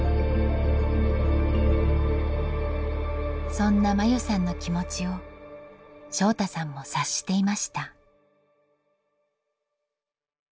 そんな真優さんの気持ちを翔大さんも察していました。